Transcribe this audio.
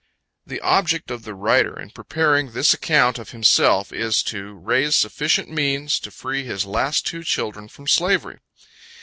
The object of the writer, in preparing this account of himself, is to RAISE SUFFICIENT MEANS TO FREE HIS LAST TWO CHILDREN FROM SLAVERY.